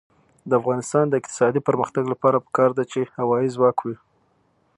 د افغانستان د اقتصادي پرمختګ لپاره پکار ده چې هوایی ځواک وي.